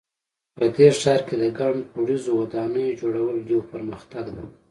په دې ښار کې د ګڼ پوړیزو ودانیو جوړول یو پرمختګ ده